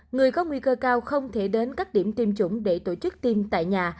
người có nguy cơ cao không thể đến các điểm tiêm chủng để tổ chức tiêm tại nhà